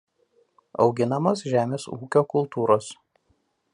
Auginamos žemės ūkio kultūros.